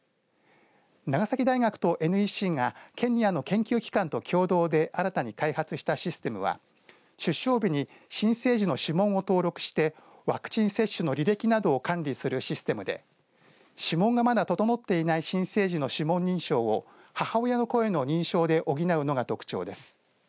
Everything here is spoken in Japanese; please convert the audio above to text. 長崎大学とＮＥＣがケニアの研究機関と共同で新たに開発したシステムは出生日に新生児の指紋を登録してワクチン接種の履歴などを管理するシステムで指紋がまだ整ってない新生児の指紋認証を母親の声の認証で補うのが特徴です。